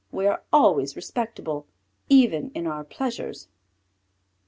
We are always respectable, even in our pleasures."